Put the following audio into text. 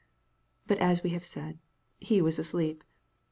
But as we have said, he was asleep.